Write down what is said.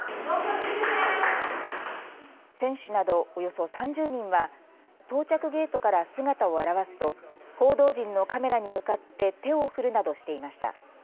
選手などおよそ３０人は到着ゲートから姿を現すと報道陣のカメラに向かって手を振るなどしていました。